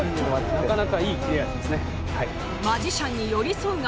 なかなかいい切れ味ですね。